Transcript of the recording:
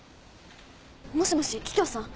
もしもし桔梗さん？